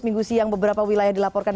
minggu siang beberapa wilayah dilaporkan